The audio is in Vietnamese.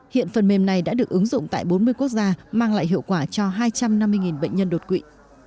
hiện phần mềm này đã được ứng dụng tại bốn mươi quốc gia mang lại hiệu quả cho hai trăm năm mươi bệnh nhân đột quỵ